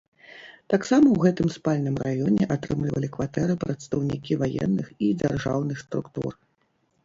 Таксама ў гэтым спальным раёне атрымлівалі кватэры прадстаўнікі ваенных і дзяржаўных структур.